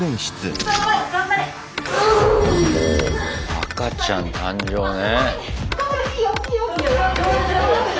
「赤ちゃん誕生」ね。